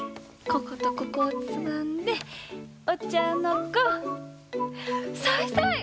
こことここをつまんでお茶の子さいさい！